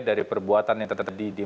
dari perbuatan yang tetap terjadi di